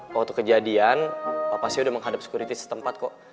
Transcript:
waktu kejadian bapak sih udah menghadap sekuriti setempat kok